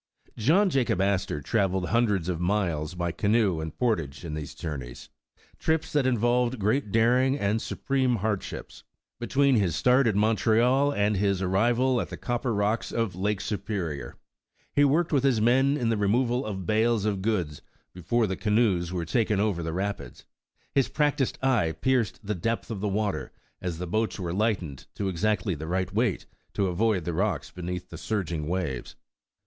John Jacob Astor traveled hundreds of miles by ca noe and portage in these journeys — trips that involved grreat daring and supreme hardships — between his start at Montreal, and his arrival at the copper rocks 115 The Original John Jacob Astor of Lake Superior. He worked with his men in the re moval of bales of goods, before the canoes were taken over the rapids; his practiced eye pierced the depth of the water, as the boats were lightened to exactly the right weight to avoid the rocks beneath the surging waves.